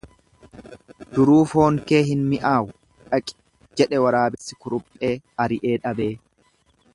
Duruu foon kee hin mi'aawu dhaqi jedhe waraabessi kuruphee ari'ee dhabee.